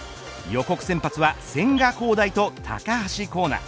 予告先発は千賀滉大と高橋光成。